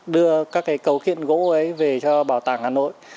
đưa các cái cấu kiện gỗ ấy về cho bảo tàng hà nội